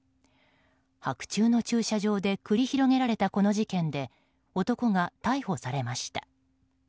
白昼の駐車場で繰り広げられたこの事件で男が逮捕されました。